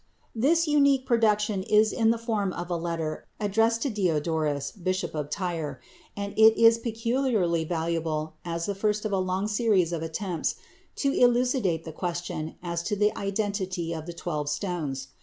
This unique production is in the form of a letter addressed to Diodorus, Bishop of Tyre, and it is peculiarly valuable as the first of a long series of attempts to elucidate the question as to the identity of the twelve stones.